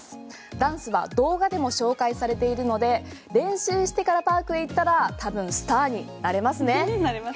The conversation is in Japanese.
ダンスは動画でも紹介されているので練習してからパークへ行ったらなれますね。